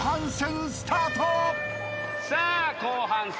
さあ後半戦。